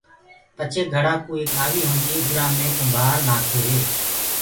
پچهي گھڙآ ڪو ايڪ آوي هوندي هي اُرآ مي ڪُمڀآر نآکدو هي۔